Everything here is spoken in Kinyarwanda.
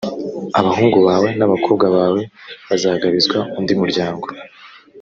abahungu bawe n’abakobwa bawe bazagabizwa undi muryango,